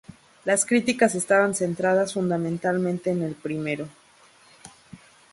Las críticas estaban centradas fundamentalmente en el primero.